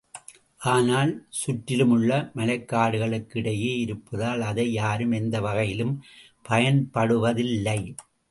ஆனால், சுற்றிலுமுள்ள மலைக்காடுகளுக்கு இடையே இருப்பதால் அதை யாரும் எந்த வகையிலும் பயன்படுத்துவதில்லை.